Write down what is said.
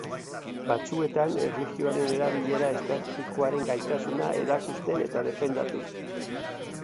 Batzuetan erlijioaren erabilera estrategikoaren gaitasuna erakusten eta defendatuz.